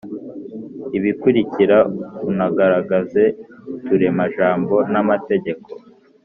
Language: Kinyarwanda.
ibikurikira unagaragaze uturemajambo na mategeko